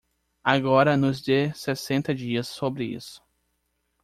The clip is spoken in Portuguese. Agora nos dê sessenta dias sobre isso.